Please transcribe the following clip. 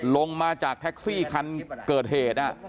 ลงมาจากแท็กซี่คันเกิดเหตุ